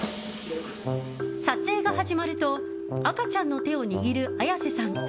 撮影が始まると赤ちゃんの手を握る綾瀬さん。